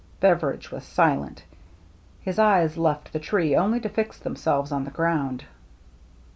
Beveridge was silent. His eyes left the tree only to fix themselves on the ground.